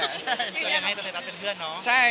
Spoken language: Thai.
เป็นเพื่อนเนี่ยทำไมต้องเป็นเพื่อนเนาะ